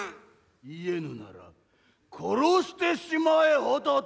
言えぬなら殺してしまえホトトギス！